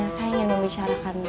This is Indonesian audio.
saya ingin membicarakan